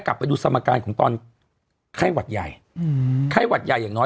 กลับไปดูสมการของตอนไข้หวัดใหญ่ไข้หวัดใหญ่อย่างน้อย